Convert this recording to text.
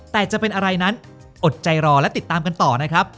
แต่จะเป็นอะไรนั้นอดใจรอและติดตามกันต่อนะครับ